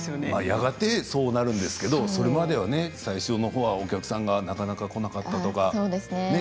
やがてそうなるんですけどそれまではね、最初の方はお客さんがなかなか来なかったとか。